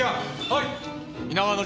はい！